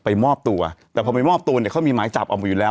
มอบตัวแต่พอไปมอบตัวเนี่ยเขามีหมายจับออกมาอยู่แล้ว